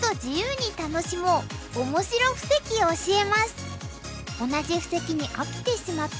今週の「同じ布石に飽きてしまった」。